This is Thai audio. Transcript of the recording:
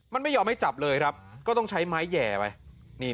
มันไม่ยอมให้จับเลยครับก็ต้องใช้ไม้แห่ไป